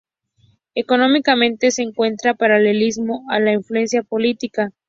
Económicamente se encuentra paralelismo a la influencia política.